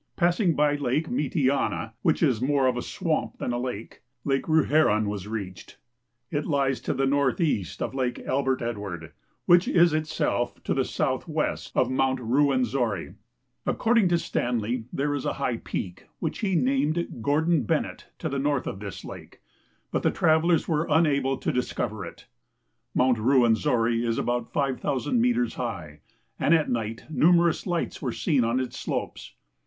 Passing by Lake Mitiana, which is more of a swami> than a lake, Lake Ruherou was reached. Itli(>s to the northeast of Lake Albert Edward, which is itself to the soutiiwcf^t of Mount Kuwcn/ori. 1^ 90 RECENT EX FLORA TIONS IN EQ VA TORI A L A FRICA According to Stanley, there is a liigh peak, wliich he named Gordon Ben nett, to tlie north of this lake, but the travelers were unable to discover it. IMount Ruwenzori is about 5,000 meters high, and at night numerous lights were seen on its slopes.